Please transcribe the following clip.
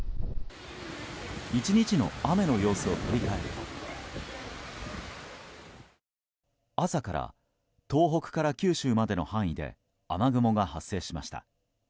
１日の雨の様子を振り返ると朝から東北から九州までの範囲で雨雲が発生しました。